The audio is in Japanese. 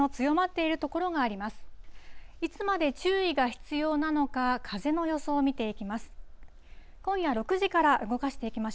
いつまで注意が必要なのか、風の予想を見ていきます。